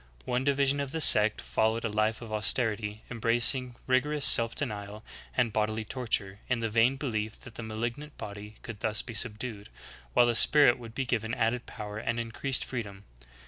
One di vision of the sect followed a life of austerity, embracing rigorous self denial, and bodily torture, in the vain belief that the malignant body could thus be subdued, while the spirit would be given added power and increased freedom.